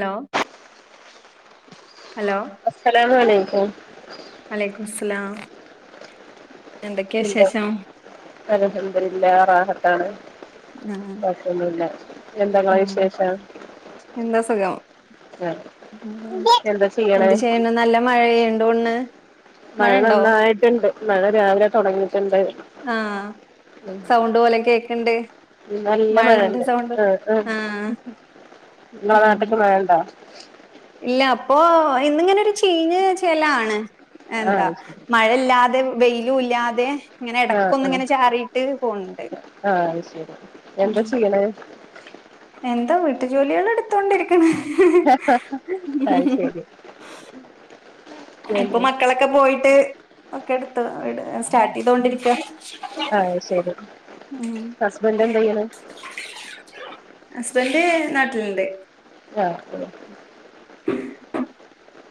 Hello. [unintelligible] Hello. അസ്സലാമു അലൈക്കും. വലൈക്കും മുസ്സലാം എന്താ എന്തൊക്കെയശേഷം. അൽഹംദുലില്ലാ റാഹത്താണ്. ആഹ് കൊയപ്പൊന്നുല്ല എന്താങ്ങളെ ഉം വിശേഷം. എന്താ സുഖം ആഹ് ഉം എന്താ ചെയ്യണേ എന്ത് ചെയ്യ്ണ് നല്ലം മഴയുണ്ടോണ്ണ് മഴ നന്നായിട്ട്ണ്ട് മഴ രാവിലെ തൊടങ്ങിയിട്ട്ണ്ട്. ആഹ് ഉം സൗണ്ട് പോലെ കേക്കണ്ട് ഇന്നല്ല മഴന്റെ മഴണ്ട് സൗണ്ട് ആഹ്. ആഹ് ങ്ങളെ നാട്ടിക്ക് മഴണ്ടാ. ഇല്ലാപ്പോ ഇന്നിങ്ങനൊരു ചീഞ്ഞ ചെലാണ് ആഹ് എന്താ അത് ശരി മഴല്ലാതെ വെയിലുല്ലാതെ ഇങ്ങനെ ആഹ് ആഹ് എടക്കൊന്ന്ങ്ങനെ ചാറിട്ട് പോണണ്ട് ആഹ് അത് ശരി ഉം. [unintelligible] എന്താ വീട്ടു ജോലികളെടു അയ്ശെരി [unintelligible] ഇപ്പൊ മക്കളൊക്കെ പോയിട്ട് ഒക്കെ എടുത്തു സ്റ്റാട്ടെയ്തൊണ്ടിരിക്കാ ആഹ്ശരി ഹസ്ബന്റെന്ത ചെയ്യ്ണ് ഹസ്ബന്റ് നാട്ടില്ണ്ട് [unintelligible]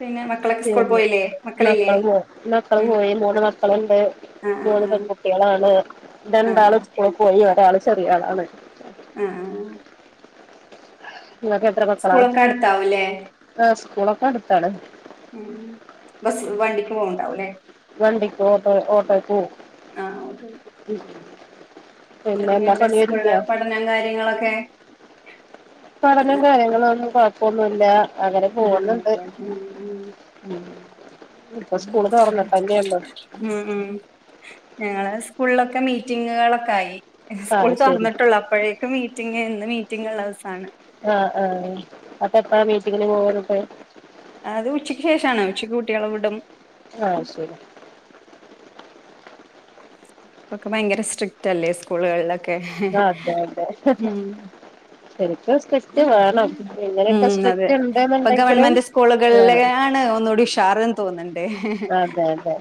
പിന്നെ മക്കളൊക്കെ സ്കൂൾ പോയില്ലേ [unintelligible] മക്കളില്ലേ മക്കളും പോ മക്കളും ഉം പോയി മൂന്ന് മക്കള്ണ്ട് ആ മൂന്ന് പെങ്കു ട്ട്യേളാണ് ആ ആ രണ്ടാള് ആ സ്കൂള് പോയി ഒരാള് ചെറിയാളാണ്. ആഹ് ആഹ് ഇങ്ങക്കെത്ര മക്കളാ? സ്കൂളൊക്കെ അടുത്താവൂല്ലേ ആഹ് സ്കൂളൊക്കെ എടുത്താണ്. ഉം ബസ് വണ്ടിക്ക് പോവ്ണ്ടാവും ല്ലേ. വണ്ടിക്ക് ഓട്ടോ ഓട്ടോക്ക് പോവും. ആ പിന്നെ എല്ലാ പണി ഒരുങ്ങ്യോ? ഠനം കാര്യങ്ങളൊക്കെ പഠനം കാര്യങ്ങളും ഒന്നും കൊഴപ്പൊന്നുല്ലാ അങ്ങനെ ഉം പോണ്‌ണ്ട്. ഉം ഇപ്പൊ ഉം സ്കൂള് തൊറന്നിട്ടല്ലേ ഒള്ളു. ഉം ഉം ഞങ്ങളെ സ്കൂൾലൊക്കെ മീറ്റിങ്ങ്കളൊക്കൊയി. സ്ക്കൂൾ അത് ശരി തുറന്നിട്ടൊള്ളൂ അപ്പഴേക്കും മീറ്റിംങ് ഇന്ന് മീറ്റിംഗ് ള്ള ദിവസാണ്. ആഹ് ആഹ് അപ്പ എപ്പഴാ മീറ്റിങ്ങിന് പോവ ന്നട്ട്? അത് ഉച്ചയ്ക്ക് ശേഷാണ് ഉച്ചക്ക് കുട്ടികളെ വിടും. ആഹ് അഹ്ശെരി ഇപ്പൊക്കെ ഭയങ്കര സ്ട്രിക്റ്റ് അല്ലേ സ്കൂളുകളിലൊക്കെ ആഹ് അതെ അതെ ഉം ശരിക്കും [unintelligible] ഇങ്ങനെയൊക്കെ ഉം അതെ സ്ട്രിക്റ്റ് ഇപ്പ ഉണ്ടെന്നുണ്ടെങ്കിലും ഗവൺമെന്റ് സ്കൂളുകൾലെ വേണം ആണ് ഒന്നൂടി ഉഷാറ് തോന്ന്ണ്ട്. അതെ അതെ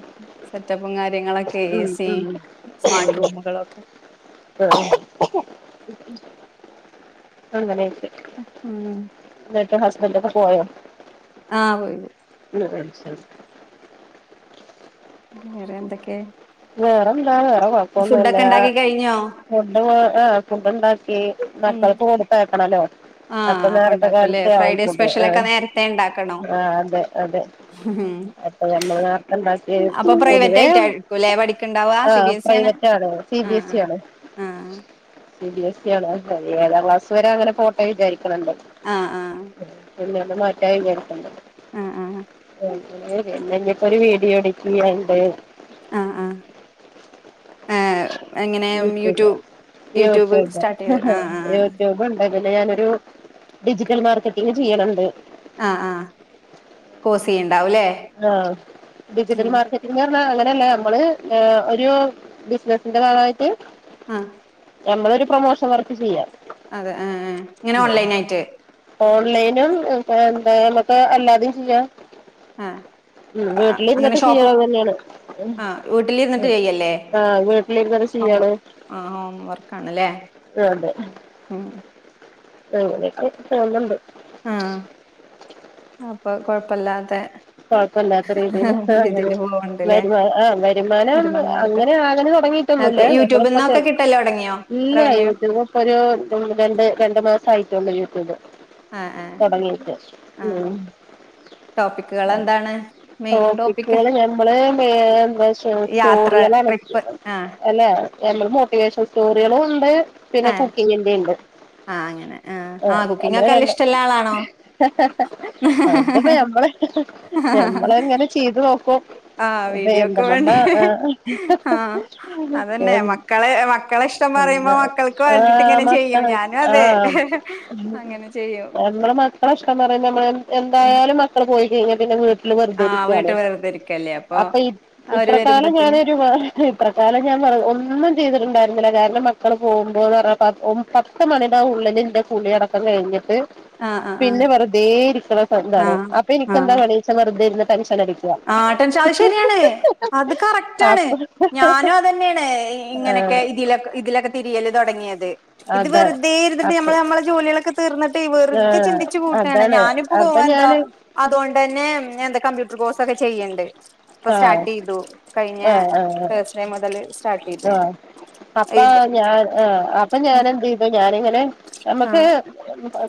സെറ്റപ്പും കാര്യങ്ങളൊക്കെ ഏ ഉം സി ഉം സ്മാർട്ട് റൂമുകളൊക്കെ. ആഹ് ആഹ് അങ്ങനെയൊക്കെ ഉം ഇന്നട്ട് ഹസ്ബന്റൊക്കെ പോയോ? ആഹ് പോയി [unintelligible] വേറെ എന്തൊക്കെ വേറെന്താ വേറെ ഫുഡൊക്കെ കൊയപ്പൊന്നുല്ലാ ഉണ്ടാക്കി കഴിഞ്ഞോ ഫുഡ് ആഹ് ഫുഡുണ്ടാക്കി ഉം മക്കൾക്കും കൊടുത്തയക്കണ ല്ലേ. ആ അപ്പൊ നേരത്തെ ഉണ്ടാക്കൂല്ലേ കാലത്തെ ഫ്രൈഡേ ആവുംഫുഡ് ആഹ് സ്പെഷ്യലൊക്കെ നേരത്തെ ഉണ്ടാക്കണോ ആഹ് ആഹ് അതെ അതെ [unintelligible] അപ്പം ഞമ്മള് നേര്ത്തണ്ടാക്കി അപ്പൊ പ്രൈവറ്റ് പൊതുവെ ആയിട്ടായിരിക്കുംല്ലേ പഠിക്ക്ണ്ടാവാ? സി ബി ആഹ് എസ് ഇ ആണ്? പ്രൈവറ്റാണ് സി ആ ബി എസ് ഇ ആണ് ആ ആ സി ബി എസ് ഇ ആണോ? ഏഴാം ക്ലാസ് വരെ അങ്ങനെ പോട്ടേ വിചാരിക്ക്ണ് ണ്ട്. ആഹ് ആഹ് പിന്നാണ്ട് മാറ്റാ വിചാരിക്ക്ണ്ട്. ആഹ് ആഹ് [unintelligible] ഇന്നിഞ്ഞിപ്പോ ഒരു വീഡിയോ എഡിറ്റെയ്യാണ്ട്. ആഹ് ആഹ് ഏഹ് എങ്ങനെ യൂട്യൂ യൂട്യൂബ് യൂട്യൂബ് സ്റ്റാർട്ടെയ്ത് ആഹ് ആഹ് ആഹ് ആഹ് അങ്ങനെ ഞാനൊരു ഡിജിറ്റൽമാർക്കറ്റിങ് ചെയ്യണണ്ട് ആഹ് ആഹ് കോഴ്സെയ്യ്ണ്ടാവു ലേ. ആഹ് ഡിജിറ്റൽ മാർക്ക റ്റിങ് പർഞാ അങ്ങനല്ല യമ്മള് ഏഹ് ഒരു ബിസിനസിന്റൊരാളായിട്ട് ആഹ് ഞമ്മളൊരു പ്രൊമോഷൻ വർക്ക് ചെയ്യ അതെ ആ ആ ഇങ്ങനെ ഓൺലൈൻ ആയിറ്റ്. ഓൺലൈനും എം ഏ എന്താ യമ്മക്ക് അല്ലാതിം ചിയ്യാ ആഹ് ഉം വീട്ടില് ഇര്ന്നിട്ട് ചെയാൻ തന്നെണ് ആ വീട്ടിലിരുന്നിട്ട് ചെയ്യല്ലേ? ആഹ് വ് ട്ടിലിര്ന്ന്ട്ട് ചെയ്യണം. ആഹ് ഹോം വർക്ക് ആണ് ല്ലേ? അതോണ്ട്. ഉം അങ്ങനെയൊക്കായിറ്റ് തോന്ന്ണ്ട്. ആഹ് അപ്പൊ കൊഴപ്പല്ലാ മറ്റേ കൊഴപ്പല്ലാത്ത രീതീല് ഹാ അങ്ങനെ പോവ്ണ്ട്ല്ലേ വരുമാ ആഹ് വരുമാനം. വരുമാന മാർഗം അങ്ങനെ ആകല് തൊടങ്ങി റ്റൊന്നുല്ല അപ്പൊ യൂട്യൂബിൽ ഞമ്മള്പ്പൊ ചെ നിന്നൊക്കെ കിട്ടല് തുടങ്ങിയോ ഇല്ല റവന്യൂ യൂറ്റ്യൂബൊ പ്പൊരു ഉം രണ്ട് രണ്ട് മാസായിറ്റൊള്ളു യൂറ്റ്യൂബ്. ആ ആ തൊടങ്ങിയിട്ട്. ഉം ടോപിക് എർ ടോപിക്കേള് ഞമ്മള് മേ എന്താ ച്ചാല് യാത്ര സ്‌റ്റോറിയേളാണ്. ട്രിപ്പ് ആ എല്ല ഞമ്മള് മോട്ടിവേഷൻ സ്റ്റോറിയേളുണ്ട്. പിന്നെ കുക്കിങ്ങിൻ്റിണ്ട്. ആഹ് അങ്ങനെ ആഹ് ആഹ് കുക്കിങ്ങ് ഒക്കല്ല ഇഷ്ടള്ള ആളാണോ അത്പ്പോ ഞമ്മള് ഞമ്മളങ്ങനെ ചെയ്ത് നോക്കും. ആ എർ വീഡിയോക്ക് പെരിന്തമണ്ണ വേണ്ടി എ ആ അതന്നെ എൻ മക്കളെ മക്കളെ ഇഷ്ടം പറയുമ്പോ ഒന്ന് മക്കൾക്ക് വേണ്ടിട്ട് ആഹ് ഇങ്ങനെ ചെയ്യും മക്കള്. ഞാനും അതെ ആം ഉം അങ്ങനെ ചെയ്യും നമ്മളെ മക്കളെ ഇഷ്ടം പറയുമ്പൊ നമ്മള് ഉം. എന്തായാലും മക്കള് പോയി കെയ്ഞ്ഞ പിന്നെ വ് ട്ടില് വെർതെ ആ ഇരിക്കാണ് വീട്ട് വെറുതെ ഇരിക്കല്ലേ അപ്പൊ അവര് ഇപ്പ്-ഇത്രകാലം വരുമ്പത്തിന് ഞാനൊരു വ ഹിത്രകാലം ഞാൻ പറ ഒന്നും ചെയ്തിട്ട്ണ്ടായിരുന്നില കാരണം മക്കള് പോകുമ്പോന്നർണ പത്ത് ഒം പത്ത് പത്ത് മണിടെ ഉള്ളില് ഇന്റെ കുളി അടക്കം കഴിഞ്ഞിട്ട്. ആ ആ ആ പിന്നെ വെറുതേ ഇരിക്ക്ണ സം താണ് ആഹ് അപ്പ ആഹ് ഇനിക്കെന്താ പണിച്ച വെറ്തെ ഇര്ന്ന് ടെൻഷനടി ആഹ് ട്ടൻഷ അത് ശരിയാണ് അത് കറക്റ്റ് ആണ്. അപ്പൊ ഞാനും അതെന്നേണ് ഇ ആ ഇങ്ങനക്കെ ഇതിലൊക്ക് ഇതിലൊക്കെ തിരിയല് തൊടങ്ങിയത്. ഇത് അതാണ് വെറ്തേ ഇര്ന്നിട്ട് അപ്പൊ നമ്മള് നമ്മളെ ജോലിയേളൊക്ക് തീർന്ന്ട്ടെയ് ആ വെറ്തെ ചിന്തിച്ചു കൂട്ടാണ് അതാണ് ഞാനിപ്പോ കോ അപ്പൊ എന്താ. ഞാന് അതോണ്ടെന്നെ ഉം എന്താ കമ്പ്യൂട്ടർ കോഴ്സ് ഒക്കെ ചെയ്യ്ണ്ട്. പ്പ ആ സ്റ്റാർട്ട് ചൊയ്തു കഴിഞ്ഞ ആ ആ തെസ് ഡേ മുതല് സ്റ്റാർട്ടീതേ അപ്പ ഞാൻ ആഹ് അപ്പ ഞാനെന്തിതു ഞാനിങ്ങനെ ഞമ്മക്ക്. ആഹ്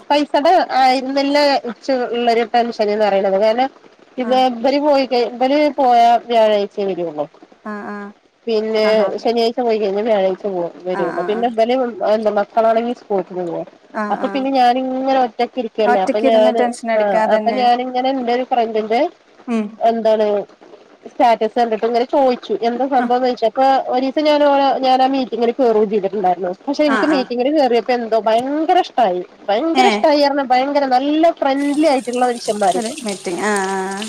പൈസടെ ആയിര്ന്നില്ല ഇച്ച് ഉള്ളരു ടെൻഷന് ന്നറയ്ണത് കാരണം. പിന്നെ ആഹ് ബര് പോയി കെ ബല് പോയ വ്യാഴാഴ്ചേ വരൊള്ളു. ആഹ് ആഹ് പിന്നെ ആഹാ ശനിയാഴ്ച്ച പോയി കഴിഞ്ഞ വ്യാഴാഴ്ച പോ ആഹ് വരൊള്ളു. ആഹ് പിന്നെ ആഹ് ബല് ഏന്ത മ ഒളാ ണെങ്കി സ്കൂൾക്ക് പോവൊ ആഹ് അപ്പൊ ആഹ് പിന്നെ ഞാനിങ്ങനെ ഒറ്റക്ക് ഇരിക്കല്ലേ അപ്പ ഒറ്റക്ക് ഇരുന്ന് ഞാന്. ടെൻഷൻ ആഹ് അപ്പ അടിക്കാതന്നെ ഞാനിങ്ങനെ എൻ്റൊരു ഫ്രണ്ടിന്റെ ഉം എന്താണ് സ്റ്റാറ്റസ് കണ്ടിട്ട് ഇങ്ങനെ ചോയ്ച്ചു എന്താ ആഹ് സംഭവംന്ന് ഓയ്ച്ചപ്പം. ഒരീസം ഞാന് ഞാനാ മീറ്റിങ്ങിന് കേറും ചെയ്തിട്ടുണ്ടായിരുന്നു. പക്ഷെ ആഹ് ഇനിക്ക് ആഹ് മീറ്റിങ്ങിന് കേറിയ ക്കെന്തോ ഭയങ്കരഷ്ടായി ഭയങ്കര ഏഹ് ഷടായി അർണ ഭയങ്കര നല്ലം ഫ്രണ്ട്ലി ആയിറ്റ്ള്ള മനുഷ്യന്മാര് ഒരു മീറ്റിംഗ് ആ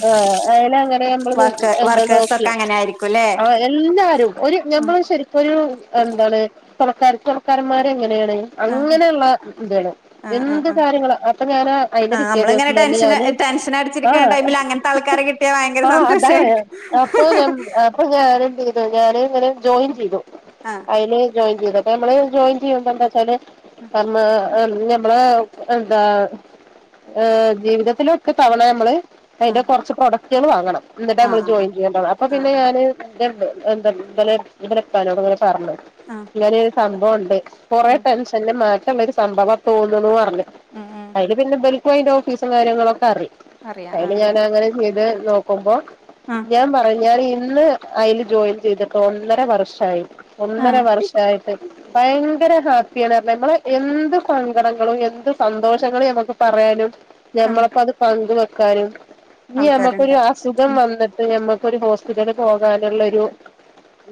ആഹ് അയല അങ്ങനെ ഞമ്മളത് ക്കെ വർക്കേഴസ് ഒക്കെ അങ്ങനെ ആയിരിക്കുല്ലേ ആഹ് എല്ലാരും ഒരു ഞമ്മള് ശരിക്കരു എന്താണ് തുണക്കാര തുണക്കാരന്മാരെ എങ്ങനെയാണ് ആ അങ്ങനെയുള്ള ഇതാണ് ആ ആ എന്ത് ആ കാര്യങ്ങള് അപ്പൊ ഞാന് ആ അയിന്റെ പിറ്റേി നമ്മളിങ്ങനെ ദിവസം തെ ടെൻഷൻ ഞാന് ടെൻഷൻ അടിച്ചിരിക്കുന്ന ആഹ് ടൈമിൽ അങ്ങനത്തെ ആൾക്കാരെ കിട്ടിയാ ഭയങ്കര സന്തോഷയിരിക്കും ഉം അപ്പൊ ഞാനന്ത് ചെയ്തു ഞാനാന് ങ്ങനെ ജോയിൻ ചെയ്തു ആഹ് അയ്ല് ജോയിൻ ചെയ്തു അപ്പ നമ്മള് ജോയിൻ ചെയ്യുമ്പന്താച്ചാല് കാരണം ഞമ്മള എന്താ ഏഹ് ജീവിതത്തിലൊക്കെ ഒര്ക്ക തവണ നമ്മള് ആ ആ അയ്ന്റെ കുറച്ച് പ്രൊഡകറ്റൾ വാങ്ങണം എന്നിട്ട് ആ നമ്മള് ജോയിൻ ചെയ്യേണ്ടത് അപ്പൊ ആ പിന്നെ ആ ഞാന് [unintelligible] എന്താ ഇന്നലെ ബല പ്പാനോട് ങ്ങനെ പറഞ്ഞു ആഹ് ഇങ്ങന ഒരു സംഭവണ്ട് കൊറെ ടെൻഷനിൽ മാറ്റള്ള ഒരു സംഭവം തോന്നന്ന് പറഞ്ഞു ഉം ഉം അയില് പിന്നെ ബൽക്ക് അയിന്റ് ഓഫീസും കാര്യങ്ങളൊക്കെ അറി അറിയാം ആ അയ്ല് ഞാൻങ്ങനെ ചെയത് നോക്കുമ്പോ ആഹ് ഞാൻ പറ ഞാന് ഇന്ന് അയ്ല് ജോയിൻ ചെയ്തട്ട ഒന്നര വർഷയി ആ ഒന്നര വർഷ ട്ട് ഭയങ്കര ഹാപ്പിയണായില്ല നമ്മള എന്ത് സങ്കടങ്ങളും എന്ത് സന്തോഷങ്ങളും ഞമ്മക്ക് പറയാനും ആ ഞമ്മളപ്പ അത് പങ്ക് വെക്കാനും ഇനി നമ്മക്കരു ആൾക്കാരുണ്ടാവും അസുഖം ഉം വന്നിട്ട് ഞമ്മ ക്ക് ഒരു ഹോസ്പിറ്റല് പോകാനുള്ളരു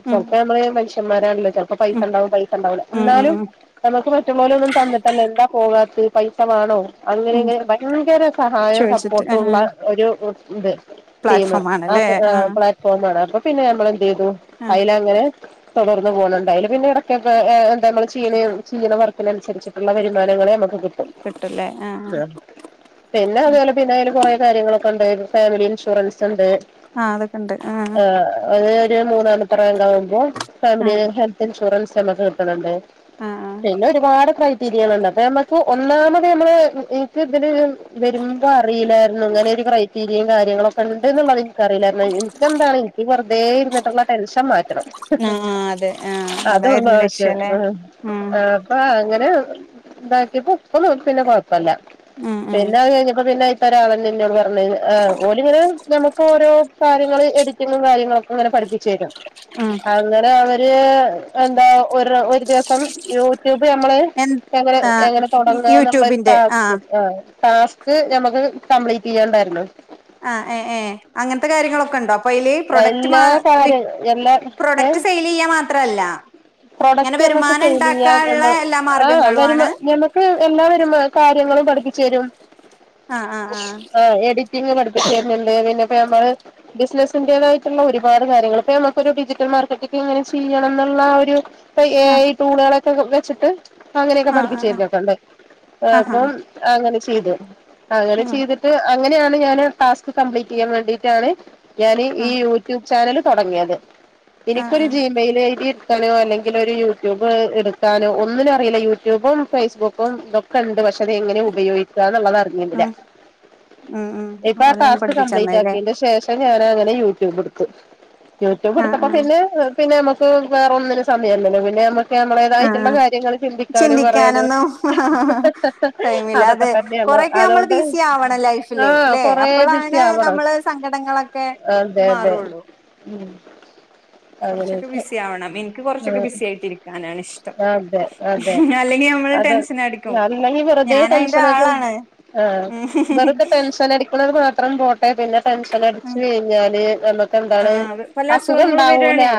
ചൽപ്പം നമ്മളെ മനുഷ്യന്മാരാണല്ലോ ച പ്പൊ ഉം ഉം പൈസണ്ടാവും പൈസണ്ടാവില്ല ഉം ഉം എന്നാലും ഉം നമുക്ക് മറ്റപോലെ ഒന്നും തന്നിട്ടല്ല എന്താ പോകാതെ പൈസമാണോ അങ്ങനെ ഉം ഇങ്ങനെ ഭയങ്കര സഹായവും ചോദിച്ചിട്ട് ആ സപ്പോർട്ടുംള്ള ഒരു ഇത് ടീം പ്ലാറ്റ്ഫോം ആണല്ലേ ആഹ് ആ പ്ലാറ്റ്ഫോ ആണ് അപ്പൊ പിന്നെ നമ്മളെന്തയ്തു ആ അയ്ലങ്ങനെ തുടർന്ന് പോണണ്ടായാല് പിന്നെ ഇടയ്ക്കൊ എന്താ നമ്മള് ചെയ്യിണേ ചെയ്യ്ണ വർക്കിനനുസരിച്ചിട്ടുള്ള വരുമാനങ്ങളെ നമുക്ക് കി കിട്ടുംല്ലേ ആഹ് ആഹ് പിന്നെ അതുപോലെ പിന്നെ അയ്ല് കുറെേ കാര്യങ്ങളൊക്കെ ഉണ്ട് ഫാമിലി ഇൻഷുറൻസ്ണ്ട് ആഹ് അതൊക്കെണ്ട് ആഹ് [unintelligible] അഹ് ഒരു മൂന്നാമത്തെ റാങ്കാവുമ്പോ ആ ഫാമിലി ഹെൽത്ത് ഇൻഷുറൻസ് നമ്മക്ക് കിട്ടണണ്ട് ആ ആ പിന്നെ ഒരുപാട് ക്രൈറ്റീരിയകളുണ്ട് അപ്പൊ നമ്മക്ക് ഒന്നാമത് നമ്മള് എനിക്ക് ഇതില് വരുമ്പോ അറിയില്ലായിരുന്നു അങ്ങനെ ഒരു ക്രൈറ്റീരിയയും കാര്യങ്ങളൊക്കെണ്ട്ന്നുള്ളത് എനക്ക്റിയില്ലായിരുന്നു ഇൻ ക്കെന്താണ് എനിക്ക് വെറുതെ ഇരുന്നിട്ടുള്ള ടെൻഷൻ മാറ്റണം ആ ആ അതെ ആ അതൊള്ളൂ അതായിരുന്നു ആവശ്യം ലക്ഷ്യംല്ലേ ആഹ് ഉം ആഹ് അങ്ങനെ ഇതാക്കിപ്പോ ഉപ്പും പിന്നെ കൊഴപ്പല്ല ഉം ഉം പിന്നെ ആഹ് കഴിഞ്ഞപ്പോ പിന്നെ അയ്ത്ത ഒരാളെന്നോട് പറഞ് ഓലിങ്ങനെ നമുക്ക് ഓരോ കാര്യങ്ങള് എഡിറ്റിങ്ങും കാര്യങ്ങളൊക്കെങ്ങനെ പഠിപ്പിച്ചേരും ആഹ് അങ്ങനെ അവര് എന്താ ഒരു ഒരു ദിവസം യൂട്യൂബ് നമ്മള് എ എങ്ങനെ ആ എങ്ങനെ തുടങ്ങണോന്നുള്ളരു യൂട്യൂബിന്റെ ആ ടാസ്ക് ടാസ്ക് ഞമ്മുക്ക് കംപ്ലീറ്റ് ചെയ്യണ്ടായിരുന്നു ആഹ് ഏഹ് ഏഹ് അങ്ങനത്തെ കാര്യങ്ങളൊക്കെ ഉണ്ടോ പ്പയ്ല് പ്രൊഡക്റ്റ് മാ എല്ലാ വി കാര്യം എല്ലാ ഏ പ്രൊഡക്റ്റ് സെയിൽയ്യാ മാത്രല്ല ഇങ്ങനെ പ്രൊഡക്റ്റ് നമ്മക്ക് വരുമാനം സെയിൽ ചെയ്യാൻ ഉണ്ടാക്കാനുള്ള എല്ലാ മാർഗങ്ങളും ആണ് എല്ലാവരും കാര്യങ്ങളും പഠിപ്പിച്ച് തരും ആ ആ ആ ആഹ് എഡി പഠിപ്പിച്ചരുന്നുണ്ട് പിന്നെപ്പ നമ്മള് ബിസിനസ് തായിട്ടുള്ള ഒരുപാട് കാര്യങ്ങൾ ഇപ്പ നമുക്കൊ ഒരു ഡിജിറ്റൽ മാർക്കറ്റി എങ്ങനെ ചെയ്യണം എന്നുള്ള ഒരു ഇപ്പഎ ആ ഐ ടൂണുകളൊക്കെ വെച്ചിട്ട് അങ്ങനെയൊക്കെ ആ ആ ആ പഠിപ്പിച്ചരുന്നൊക്കണ്ട് ആഹാ അപ്പം അങ്ങനെ ചെയ്ത് അങ്ങനെ ആ ചെയ്തിട്ട് അങ്ങനെയാണ് ഞൻ ടാസ്ക് കപ്ലീറ്റ് ചെയ്യാൻ വേണ്ടിട്ടാണ് ഞൻ ആ ഈ യൂട്യൂബ് ചാനൽ തുടങ്ങിയത് ആ എനിക്കൊരു ആ ജി മെയിൽ എഴുതി എടുക്കാനോ അല്ലെങ്കിൽ ഒരു യൂട്യൂബ് എടുക്കാനോ ഒന്നിനും അറിയില്ല യൂട്യൂബും ഫേസ്ബുക്കും കണ്ട് പക്ഷെ അത എങ്ങനെ ഉപയോഗിക്കുകന്നുള്ളത അറി ഇല്ല ഉം ഉം ഉം ഇപ്പ ആ ഓലാണ് ടാസ്ക് കപ്ലീറ്റ് പഠിപ്പിച്ചന്നായില്ലേ ആ ശേഷ ഞാന അങ്ങനെ യൂട്യൂബ് എടുത്ത യൂട്യൂബ് ആ എടുത്തപ്പോ ആ പിന്നെ പിന്നെ നമുക്ക് വേറ ഒന്നിനും സമയമല്ലല്ലോ പിന്നെ നമ്മക്ക് ആ നമ്മളതായിട്ടുള്ള ആ കാര്യങ്ങൾ ചിന്തിക്കാനും പറയാനും ചിന്തിക്കാനൊന്നും ടൈമില്ല അതൊക്കെ അതെ തന്നെ അ കൊറെയൊക്കെ നമ്മൾ അതുകൊണ്ട് ബിസി ആവണം ലൈഫില് ആഹ് ല്ലെ കൊറേ ബി സി അപ്പളാണ് ആവട നമ്മള് സങ്കടങ്ങളൊക്കെ അതെ അതെ മാറുള്ളൂ കുറച്ചൊക്കെ അങ്ങനെയൊക്കെ ബിസി ആവണം എനിക്ക് കുറച്ചൊക്കെ ബിസി ആയിട്ടി ഇരിക്കാനാണ് ഇഷ്ടം ആ അല്ലെങ്കിൽ നമ്മൾ ടെ ഞാനലേങ്കിൽ വെറുതെ ടെൻഷൻ ആയിട്ട് ആളാണ് ആഹ് ഉം വെറുതെ ടെൻഷൻ അടിക്കുന്നത് മാത്രം പോട്ട പിന്നെ ടെൻഷൻ അടിച്ചു കഴിഞ്ഞാല് നമ്മ്ക്ക് ആ എന്താണ് പല അസുഖം അസുഖങ്ങളും ഉണ്ടാവൂല വരാണേ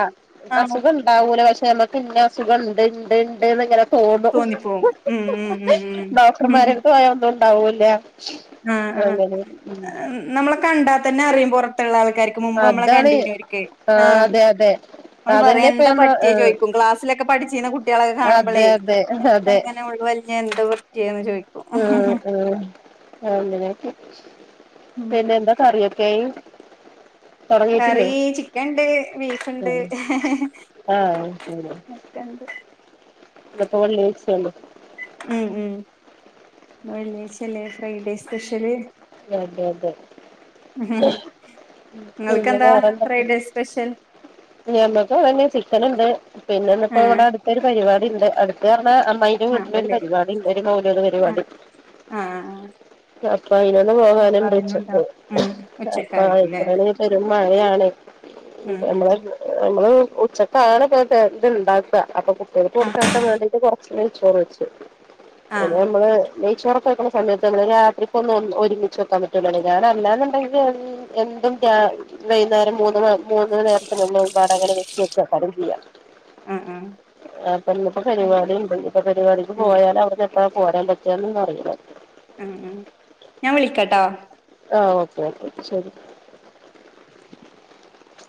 ആ അസുഖം ഉണ്ടാവൂല പക്ഷെ നമുക്ക് ഇന്ന അസുഖം ഉണ്ട് ഉണ്ട് ഉണ്ട് എന്നിങ്ങനെ തോന്നു തോന്നിപ്പോവും ഉം ഉം ഉം ഉം ഡോക്ടർമാരടുത്ത് പോയാ ഒന്നും ഉണ്ടാവൂല്ല ആ ആ അങ്ങനെ നമ്മളെ കണ്ടാ തന്നെ അറിയും പുറത്തുള്ള ആൾക്കാർക്ക് മുമ്പ് നമ്മളെ അതാണ് കണ്ടീനർക്ക് ആഹ ആഹ് അതെ അതെ അവ അതന്നെ പറയും ഇപ്പ എന്താ നമ്മള് പറ്റിയേ ആഹ് ചോദിക്കും ക്ലാസ്സിലൊക്കെ പഠിച്ച ചെയ്യുന്ന കുട്ടികളൊക്കെ അതെ കാണുമ്പോളേ അതെ അതെ എന്തങ്ങനെ ഞാ എന്താ പറ്റിയേന്ന് ചോദിക്കു അഹ് അഹ് അങ്ങനെയക്കെ പിന്നെ എന്താ കറിയൊക്കൊയി കറി ചിക്കൻ ഉണ്ട് ബീഫുണ്ട് ആഹ് എന്ത് അപ്പ ഒള്ളേ ഇസയണ്ട് [inaudible] ഉം ഉം ഇന്ന് വെള്ളി ആഴ്ച അല്ലെ ഫ്രഡേ സ്പെഷ്യല് അതെ അതെ പിന്നെ നിങ്ങൾക്കെന്താ വേറെന്തക്ക ഫ്രൈഡേ സ്പെഷ്യൽ ഞമ്മക്ക് അതങ്ങെ ചിക്കനുണ്ട് പിന്നെന്നപ്പോ ആഹ് ഇവിടെ അടുത്തൊരു പരിപാടി ഉണ്ട് അ പറണ അമ്മന്റെ ആഹ് വീട്ടിലൊരു വെള്ളി പരിപാടി ഒരു മൗലൂദ് ആഹ് പരിപാടി ആഹ് അപ്പൊ അയിനൊന്ന് അപ്പൊ പോകാനും വിച്ചട്ട അതിനുണ്ടാവും ഉം അപ്പൊ ഉച്ചക്കായിരിക്കുംല്ലേ ആക്കുടനെ പേരും മഴയാണ് ഉം നമ്മ ഉം [inaudible] നമ്മള് ഉച്ചക്കാണ് ഇത്ണ്ടാക്കുക അപ്പൊ കുട്ടികൾ ആഹ് കൊടുത്തോക്കാൻ വേണ്ടിട്ട് പുറത്ത് നെയ്ച്ചോറ് വെച്ച് പിന്നെ ആഹ് നമ്മള് നെയ്ച്ചോറക്ക വക്കണ സമയത്ത് രപ്പോ ഒന്നും ഒരുമിച്ച് വെക്കാൻ പറ്റുള്ളാണ് ഞാന അല്ലാന്നുണ്ടെങ്കിൽ എ എന്തും വൈകുന്നേരം മൂന്ന് മൂന്ന് നേരത്തിന് ഉ ഒരുപാട് അങ്ങനെ വെച്ച വെക്ക പാടം ചെയ്യാം ആഹ് ആഹ് അപ്പൊ ഇന്നപ്പോ പരിപാടി ഉണ്ട് ഇപ്പ പരിപാടിക്ക് ഉം പോയാല അവിടെ അഹ് പോരാൻ പറ്റാന്നന്നും അറിയില്ല ഉം ഉം ഞാൻ വിളിക്കട്ടോ ആഹ് ഓക്കെ ഓക്കെ ശരി